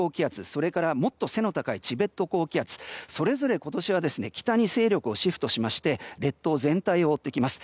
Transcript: それからもっと背の高いチベット高気圧、それぞれ今年は北に勢力をシフトしまして列島全体を覆ってきます。